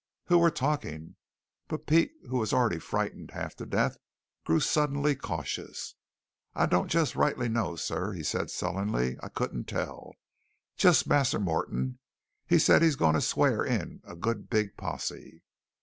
"Who were talking?" But Pete, who was already frightened half to death, grew suddenly cautious. "I don' jest rightly know, sah," he said sullenly. "I couldn't tell. Jes' Massa Mo'ton. He say he gwine sw'ar in good big posse."